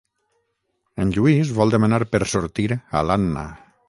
En Lluís vol demanar per sortir a l'Anna.